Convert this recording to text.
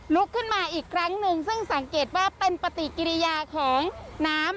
ลุกขึ้นมาอีกครั้งหนึ่งซึ่งสังเกตว่าเป็นปฏิกิริยาของน้ำ